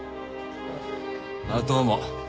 あっどうも。